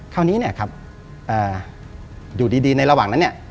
คราวนี้อยู่ดีในระหว่างนั้น